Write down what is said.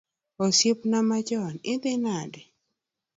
Osiepna machon, idhi nade?